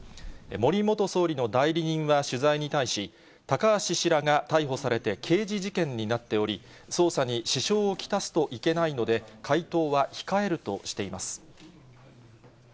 森元総理の代理人は取材に対し、高橋氏らが逮捕されて刑事事件になっており、捜査に支障を来すといけないので、回答は控えるとしています。